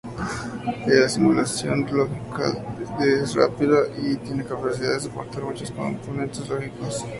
La simulación lógica es rápida y tiene la capacidad de soportar muchos componentes lógicos.